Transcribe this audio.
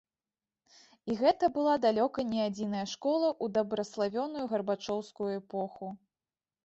І гэта была далёка не адзіная школа ў дабраславёную гарбачоўскую эпоху.